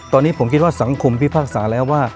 ตอนนี้ผมคิดว่าสังคมพิพากษาแล้วว่า